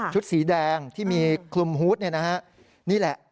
สีแดงที่มีคลุมฮูตนี่แหละ